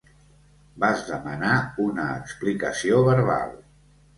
Vas demanar una explicació verbal.